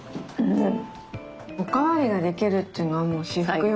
お代わりができるっていうのはもう至福よね。